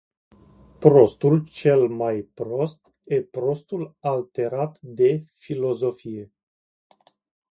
Prostul cel mai prost e prostul alterat de filosofie.